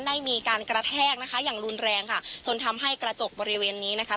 ได้มีการกระแทกนะคะอย่างรุนแรงค่ะจนทำให้กระจกบริเวณนี้นะคะ